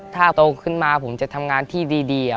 ถ้าโตขึ้นมาผมจะทำงานที่ดี